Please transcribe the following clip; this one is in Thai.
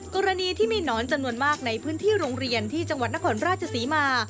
กรณีที่มีหนอนจำนวนมากในพื้นที่โรงเรียนที่จังหวัดนครราชศรีมา